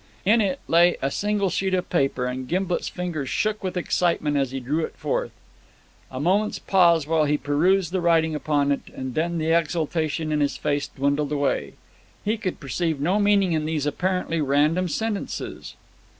In it lay a single sheet of paper, and Gimblet's fingers shook with excitement as he drew it forth. A moment's pause while he perused the writing upon it, and then the exultation on his face dwindled away. He could perceive no meaning in these apparently random sentences.